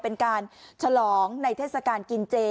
เป็นการฉลองในเทศกาลกินเจ